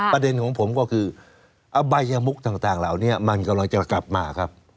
ประเด็นของผมก็คืออบัยมุกต่างเหล่านี้มันกำลังจะกลับมาครับ